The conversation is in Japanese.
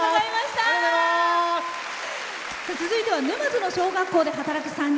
続いては沼津の小学校で働く３人。